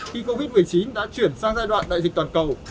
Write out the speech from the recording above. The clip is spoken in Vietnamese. khi covid một mươi chín đã chuyển sang giai đoạn đại dịch toàn cầu